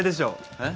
えっ？